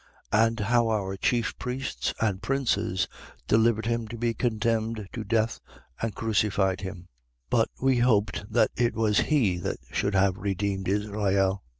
24:20. And how our chief priests and princes delivered him to be condemned to death and crucified him. 24:21. But we hoped that it was he that should have redeemed Israel.